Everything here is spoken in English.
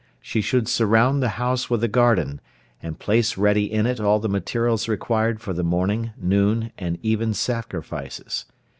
She should surround the house with a garden, and place ready in it all the materials required for the morning, noon and even sacrifices.